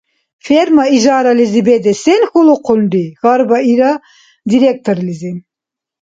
— Ферма ижарализи бедес сен хьулухъунри? – хьарбаира директорлизи.